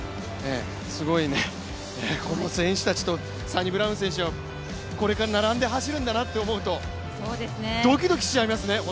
この選手たちとサニブラウン選手は、これから並んで走るんだなと思うと、ドキドキしちゃいますね。